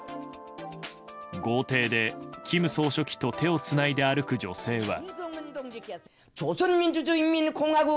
豪邸で金総書記と手をつないで歩く女性は。